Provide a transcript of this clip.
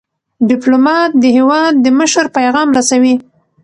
ډيپلومات د هیواد د مشر پیغام رسوي.